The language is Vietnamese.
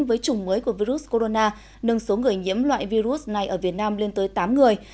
với chủng mới của virus corona nâng số người nhiễm loại virus này ở việt nam lên tới tám người